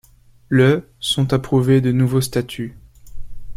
Le sont approuvés de nouveaux statuts.